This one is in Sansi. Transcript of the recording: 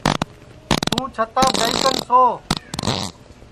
تُوں چھتاپ جائی کن سو